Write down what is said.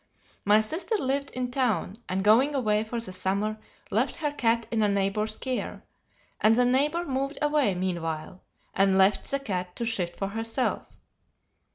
My sister lived in town and going away for the summer left her cat in a neighbor's care, and the neighbor moved away meanwhile and left the cat to shift for herself.